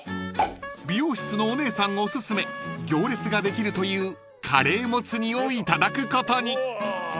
［美容室のお姉さんおすすめ行列ができるというカレーもつ煮をいただくことに］